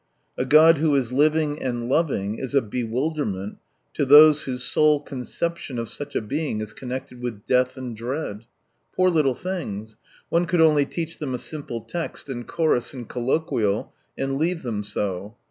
A God who is living and loving is a bewilderment to those whose sole conception of such a being is connected with death and dread. Poor .little things ! One could only teach them a simple text and chorus in colloquial, and leave them so.